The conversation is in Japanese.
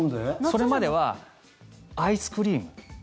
それまではアイスクリーム。